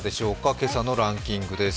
今朝のランキングです。